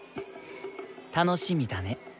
楽しみだね。